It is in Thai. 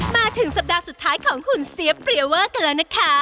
มาถึงสัปดาห์สุดท้ายของหุ่นเสียเปรียเวอร์กันแล้วนะคะ